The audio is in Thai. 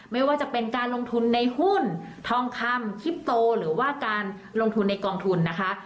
ไม่ว่าจะเป็นการลงทุนในหุ้นทองคำคิปโตหรือว่าการลงทุนในกองทุนนะคะ